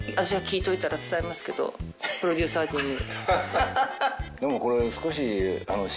プロデューサー陣に。